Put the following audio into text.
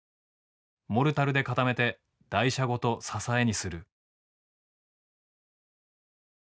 モルタルで固めて台車ごと支えにする。